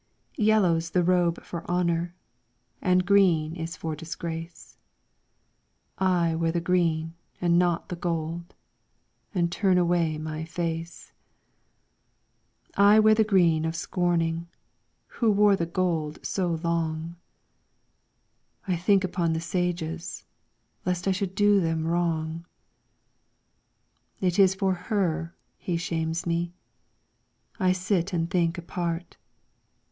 Yellow 's the robe for honour, And green is for disgrace. I wear the green and not the gold, And turn away my face. I wear the green of scorning. Who wore the gold so long. I think upon the Sages, Lest I should do them wrong. It is for her he shames me. I sit and think apart.